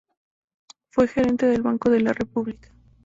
Fue Gerente del Banco de la República.